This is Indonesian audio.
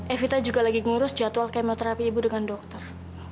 evita juga lagi ngurus jadwal kemoterapi ibu dengan dokter